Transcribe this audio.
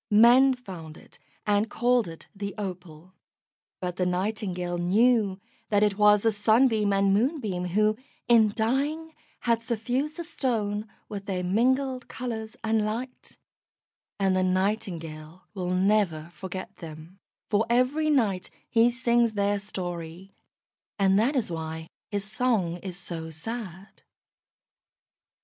Men found it and called it the Opal. But the Nightingale knew that it was the Sunbeam and Moonbeam who, in dying, had suffused the Stone with their mingled colours and light; and the Nightingale will never forget them, for every night he sings their story, and that is why his song is so sad.